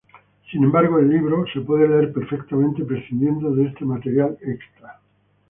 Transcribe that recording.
Sin embargo el libro puede leerse perfectamente prescindiendo de este material extra.